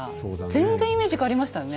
全然イメージ変わりましたよね。